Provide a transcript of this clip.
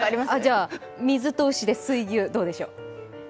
じゃ、水と牛で水牛、どうでしょう？